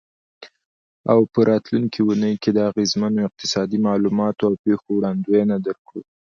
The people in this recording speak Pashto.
او په راتلونکې اونۍ کې د اغیزمنو اقتصادي معلوماتو او پیښو وړاندوینه درکړو.